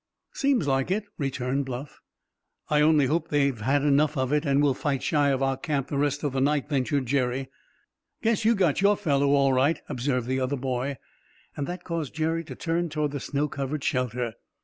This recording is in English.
"Seems like it," returned Bluff. "I only hope they've had enough of it, and will fight shy of our camp the rest of the night," ventured Jerry. "Guess you got your fellow, all right," observed the other boy. That caused Jerry to turn toward the snow covered shelter.